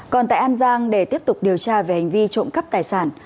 còn tại an giang để tiếp tục điều tra về hành vi trộm cắp tài sản